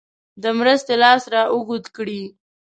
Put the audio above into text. د مرستې لاس را اوږد کړي.